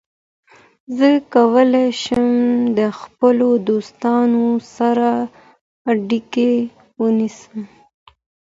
زه کولای شم د خپلو دوستانو سره اړیکه ونیسم.